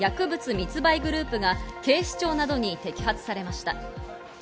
密売グループが警視庁などに摘発されました。